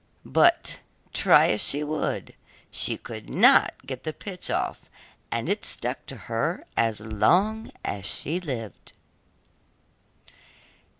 But, try what she would, she could not get the pitch off and it stuck to her as long as she lived.